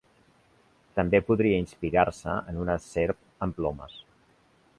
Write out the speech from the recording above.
També podria inspirar-se en una serp amb plomes.